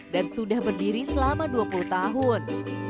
dan sudah berdiri selama dua puluh tahun